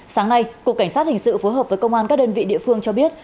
sáng nay cục cảnh sát hình sự phối hợp với công an các đơn vị địa phương cho biết